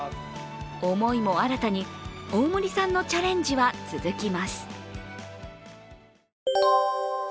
思いも新たに大森さんのチャレンジは続きます。